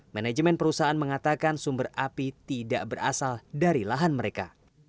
manajemen perusahaan mengatakan sumber api tidak berasal dari lahan mereka